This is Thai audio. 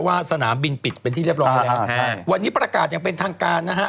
สนามบินปิดเป็นที่เรียบร้อยแล้ววันนี้ประกาศอย่างเป็นทางการนะฮะ